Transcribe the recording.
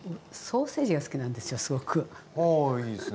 あいいですね